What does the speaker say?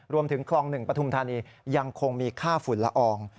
รวมถึงคลอง๑ปฐุมธานียังคงมีค่าฝุ่นละออง